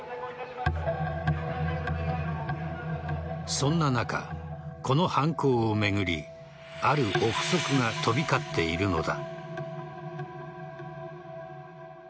そんな中、この犯行を巡りある憶測が飛び交っているのだ。